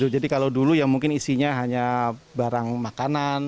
jadi kalau dulu mungkin isinya hanya barang makanan